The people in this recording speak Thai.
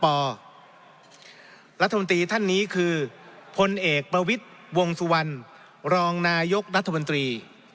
รัฐบาลชุดนี้ท่านนี้คือพลเอกประวิษฐ์วงสุวรรณรองนายกรัฐบาลชุดนี้